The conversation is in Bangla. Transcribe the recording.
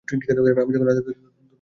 আমি যখন আদেশ পাব, তখন ফিরে যাব।